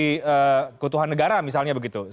kebutuhan negara misalnya begitu